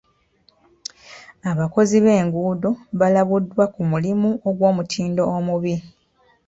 Abakozi b'enguudo balabuddwa ku mulimu ogw'omutindo omubi.